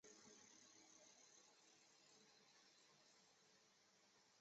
传统涅涅茨人的社会单位是属于父系外婚氏族。